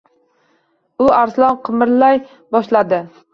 U Arslon qimirlamay turardi.